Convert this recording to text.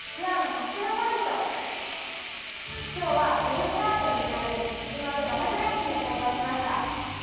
今日はグリーンカーテンになるヘチマとバタフライピーを栽培しました。